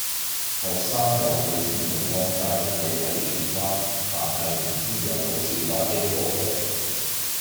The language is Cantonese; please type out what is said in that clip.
學生話佢知眾安街係喺荃灣，但係唔知有冇小巴經嗰度